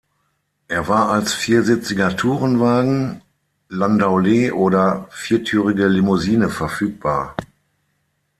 Er war als viersitziger Tourenwagen, Landaulet oder viertürige Limousine verfügbar.